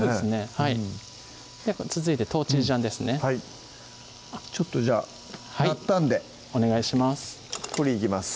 はいちょっとじゃあ鳴ったんでお願いします